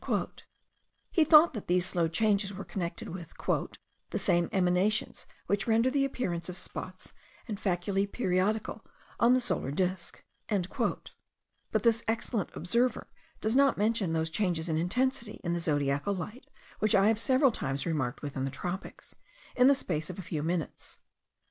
He thought that these slow changes were connected with "the same emanations which render the appearance of spots and faculae periodical on the solar disk." But this excellent observer does not mention those changes of intensity in the zodiacal light which I have several times remarked within the tropics, in the space of a few minutes.